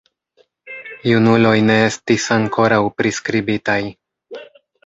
Junuloj ne estis ankoraŭ priskribitaj.